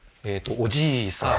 おじいさん？